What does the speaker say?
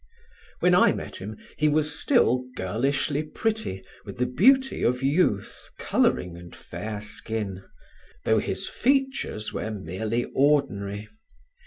When I met him, he was still girlishly pretty, with the beauty of youth, coloring and fair skin; though his features were merely ordinary.